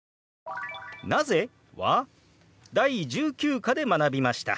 「なぜ？」は第１９課で学びました。